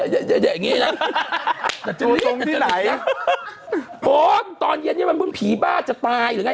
อย่างงี้นะตรงที่ไหนโอ้โฮตอนเย็นนี้มันพี่บ้าจะตายหรือไง